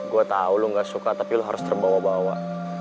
gue tahu lo gak suka tapi lo harus terbawa bawa